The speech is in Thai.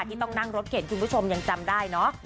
ที่ต้องนั่งรถเข็นคุณผู้ชมยังจำได้เนอะ